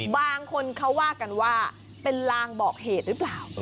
บางคนเขาว่ากันว่าเป็นลางบอกเหตุหรือเปล่า